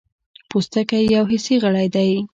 پوستکی یو حسي غړی دی.